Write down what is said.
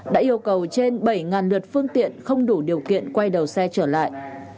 đã yêu cầu trên bảy lượt phương tiện không đủ điều kiện quay đầu xe trở lại